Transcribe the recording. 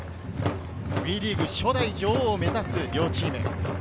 ＷＥリーグ初代女王を目指す両チーム。